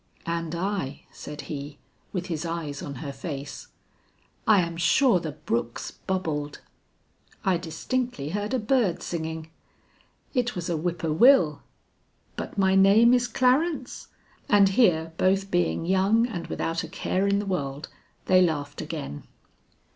"And I," said he, with his eyes on her face. "I am sure the brooks bubbled." "I distinctly heard a bird singing." "It was a whippowill." "But my name is Clarence?" And here both being young and without a care in the world, they laughed again.